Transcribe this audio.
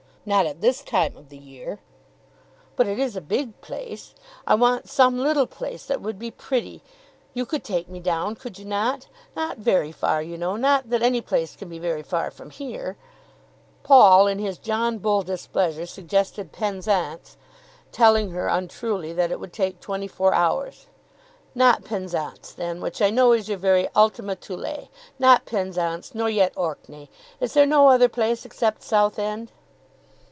"Not at this time of the year." "But it is a big place. I want some little place that would be pretty. You could take me down; could you not? Not very far, you know; not that any place can be very far from here." Paul, in his John Bull displeasure, suggested Penzance, telling her, untruly, that it would take twenty four hours. "Not Penzance then, which I know is your very Ultima Thule; not Penzance, nor yet Orkney. Is there no other place, except Southend?"